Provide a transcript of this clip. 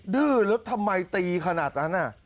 ดื้อแล้วทำไมตีขนาดนั้น